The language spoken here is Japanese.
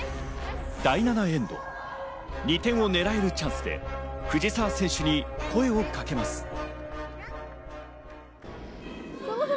第７エンド、２点を狙えるチャンスで藤澤選手に声をかけます。